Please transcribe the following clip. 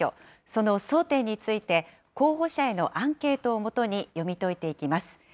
その争点について、候補者へのアンケートを基に、読み解いていきます。